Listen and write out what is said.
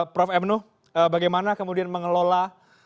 prof m nuh bagaimana kemudian mengelola